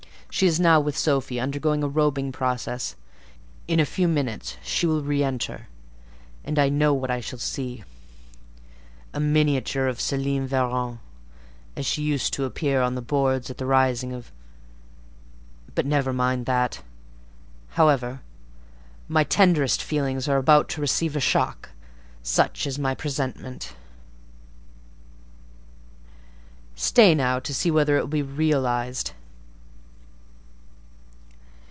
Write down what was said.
She is now with Sophie, undergoing a robing process: in a few minutes she will re enter; and I know what I shall see,—a miniature of Céline Varens, as she used to appear on the boards at the rising of—But never mind that. However, my tenderest feelings are about to receive a shock: such is my presentiment; stay now, to see whether it will be realised."